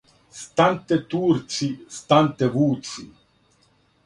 Стан'те Турци, стан'те вуци